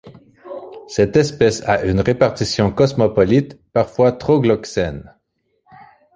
Cette espèce a une répartition cosmopolite, parfois trogloxène.